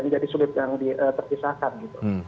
menjadi sulit yang terpisahkan gitu